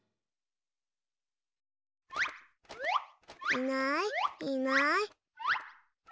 いないいない。